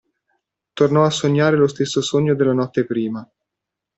Tornò a sognare lo stesso sogno della notte prima.